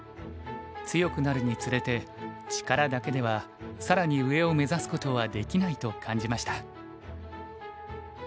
強くなるにつれて力だけでは更に上を目指すことはできないと感じました。